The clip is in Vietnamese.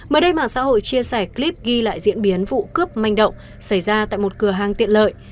mới đây mạng xã hội chia sẻ clip ghi lại diễn biến vụ cướp manh động xảy ra tại một cửa hàng tiện lợi